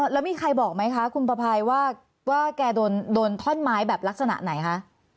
แล้วมีใครบอกไหมคะคุณประภัยว่าแกโดนท่อนไม้แบบลักษณะไหนคะ